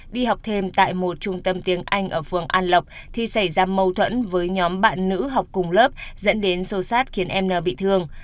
đi học thêm tại một trung tâm tiếng anh ở phường an lộc thì xảy ra mâu thuẫn với nhóm bạn nữ học cùng lớp dẫn đến sâu sát khiến em n bị thương